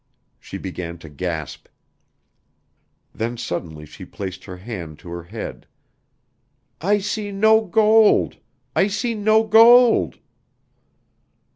She began to gasp. Then suddenly she placed her hand to her head. "I see no gold I see no gold!"